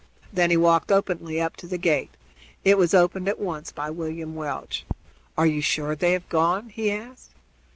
Then he walked openly up to the gate; it was opened at once by William Welch. "Are you sure they have gone?" he asked.